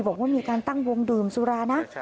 บอกว่ามีการตั้งวงดื่มสุรานะ